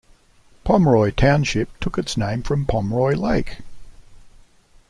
Pomroy Township took its name from Pomroy Lake.